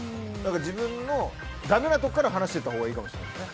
自分のだめなところから話していったほうがいいかもしれないですね。